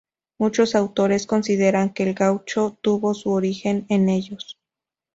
Muchos autores consideran que el gaucho tuvo su origen en ellos.